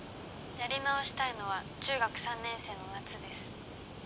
やり直したいのは中学３年生の夏です。